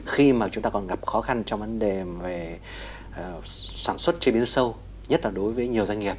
khi mà chúng ta còn gặp khó khăn trong vấn đề về sản xuất chế biến sâu nhất là đối với nhiều doanh nghiệp